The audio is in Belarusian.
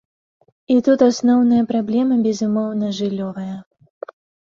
І тут асноўная праблема, безумоўна, жыллёвая.